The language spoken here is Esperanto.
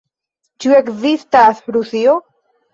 Ĉu ekzistas Rusio?